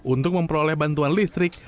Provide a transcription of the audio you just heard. untuk memperoleh bantuan listrik